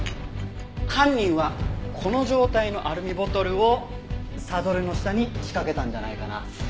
犯人はこの状態のアルミボトルをサドルの下に仕掛けたんじゃないかな？